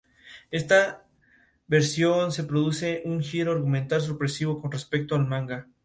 Su familia emigró a Argentina; en el país sudamericano, Ferrara debutó en el Platense.